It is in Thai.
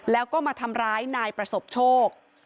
แล้วก็มาทำร้ายนายประสบโชค